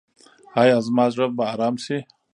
ایا زما زړه به ارام شي؟